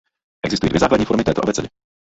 Existují dvě základní formy této abecedy.